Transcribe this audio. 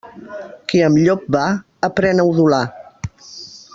Qui amb llop va, aprén a udolar.